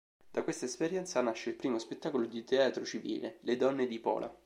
Da questa esperienza nasce il primo spettacolo di teatro civile "Le Donne di Pola".